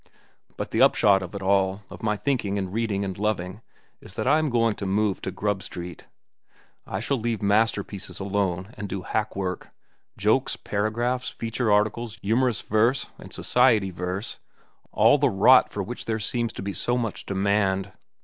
"But the upshot of it all—of my thinking and reading and loving—is that I am going to move to Grub Street. I shall leave masterpieces alone and do hack work—jokes, paragraphs, feature articles, humorous verse, and society verse—all the rot for which there seems so much demand.